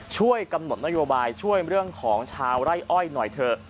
ช่วยกำหนดนโยบายช่วยเรื่องของชาวไร่อ้อยหน่อยเถอะ